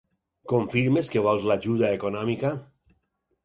Confirmes que vols l'ajuda econòmica?